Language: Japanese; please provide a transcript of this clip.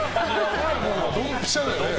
ドンピシャだよね